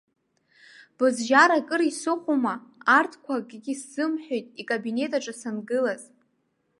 Бызжьар акыр исыхәома, арҭқәа акгьы сзымҳәеит икабинетаҿы сангылаз.